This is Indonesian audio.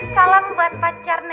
salam buat pacar nek